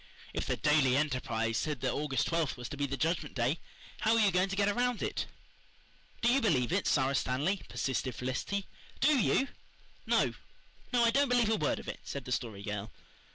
If the Daily Enterprise said that August twelfth was to be the Judgment Day how were you going to get around it? "Do you believe it, Sara Stanley?" persisted Felicity. "DO you?" "No no, I don't believe a word of it," said the Story Girl.